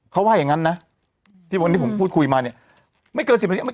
เขาว่าอย่างนั้นนะที่วันนี้ผมพูดคุยมาเนี่ยไม่เกิน๑๐นาที